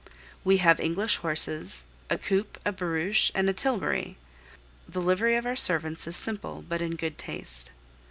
We have English horses, a coupe, a barouche, and a tilbury. The livery of our servants is simple but in good taste.